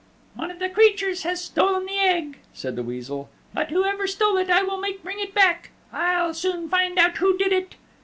"One of the creatures has stolen the Egg," said the Weasel, "but whoever stole it I will make bring it back. I'll soon find out who did it."